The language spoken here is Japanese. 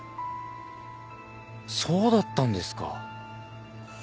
そうだったんですか。